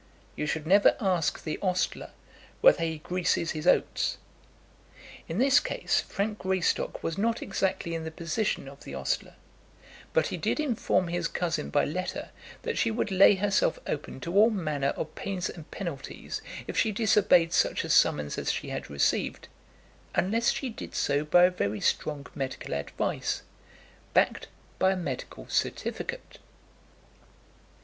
You should never ask the ostler whether he greases his oats. In this case Frank Greystock was not exactly in the position of the ostler; but he did inform his cousin by letter that she would lay herself open to all manner of pains and penalties if she disobeyed such a summons as she had received, unless she did so by a very strong medical advice, backed by a medical certificate.